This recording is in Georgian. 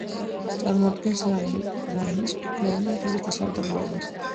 წარმოადგენს რაინის ფიქლოვანი მთების დასავლეთ დაბოლოებას.